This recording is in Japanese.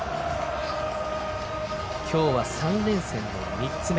今日は３連戦の３つ目。